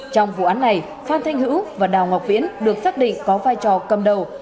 trong vụ án này phan thanh hữu và đào ngọc viễn được xác định có vai trò cầm đầu